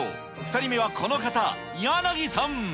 ２人目はこの方、柳さん。